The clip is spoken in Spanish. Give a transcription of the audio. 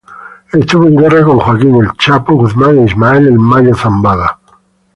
Estuvo en guerra con Joaquín "El Chapo Guzman" e Ismael "El Mayo Zambada".